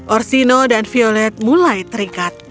orsino dan violet mulai terikat